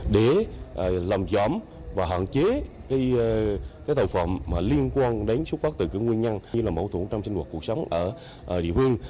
để làm gióm và hạn chế cái tài phẩm liên quan đến xúc phát từ các nguyên nhân như là mâu thuẫn trong sinh hoạt cuộc sống ở địa phương